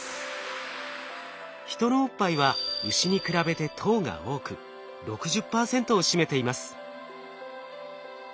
ヒトのおっぱいはウシに比べて糖が多く６０％を占めています。